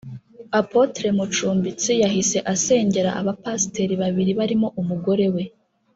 Apôtre Mucumbitsi yahise asengera abapasiteri babiri barimo umugore we